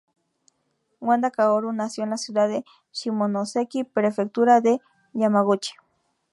Wada Kaoru nació en la ciudad de Shimonoseki, Prefectura de Yamaguchi.